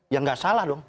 ya nggak salah dong